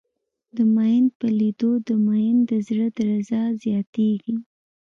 د ميئن په لېدو د ميئن د زړه درزه زياتېږي.